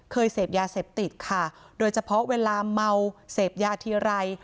เสพยาเสพติดค่ะโดยเฉพาะเวลาเมาเสพยาทีไร